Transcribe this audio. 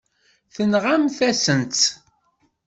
Tenɣamt-asent-t.